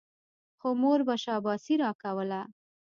خو مور به شاباسي راکوله.